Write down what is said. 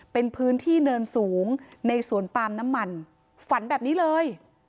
เป็นพื้นที่เนินสูงในสวนปาล์มน้ำมันฝันแบบนี้เลย